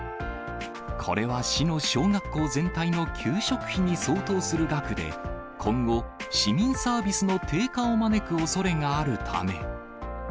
これは市の小学校全体の給食費に相当する額で、今後、市民サービスの低下を招くおそれがあるため。